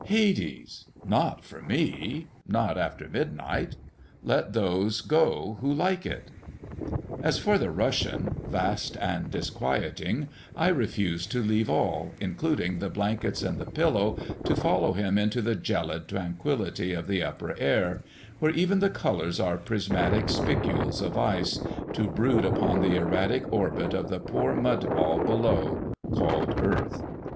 Hades! Not for me; not after midnight! Let those go who like it. As for the Russian, vast and disquieting, I refuse to leave all, including the blankets and the pillow, to follow him into the gelid tranquillity of the upper air, where even the colors are prismatic spicules of ice, to brood upon the erratic orbit of the poor mud ball below called earth.